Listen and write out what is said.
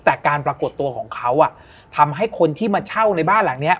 แต่การปรากฏตัวของเขาทำให้คนที่มาเช่าในบ้านหลังนี้